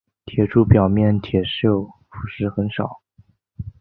铁柱表面铁锈腐蚀很少。